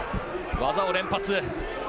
技を連発。